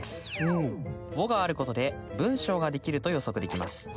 「を」があることで文章が出来ると予測できます。